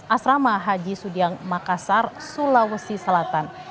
asrama haji sudiang makassar sulawesi selatan